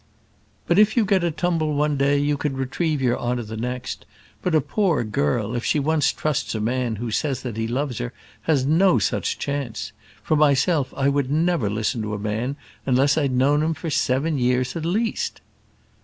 "But if you get a tumble one day you can retrieve your honour the next; but a poor girl, if she once trusts a man who says that he loves her, has no such chance. For myself, I would never listen to a man unless I'd known him for seven years at least."